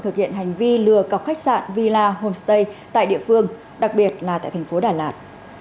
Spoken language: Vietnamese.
thực hiện hành vi lừa cọc khách sạn villa homestay tại địa phương đặc biệt là tại thành phố đà lạt